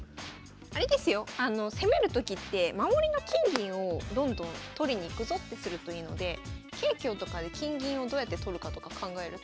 あれですよ攻めるときって守りの金銀をどんどん取りに行くぞってするといいので桂香とかで金銀をどうやって取るかとか考えると。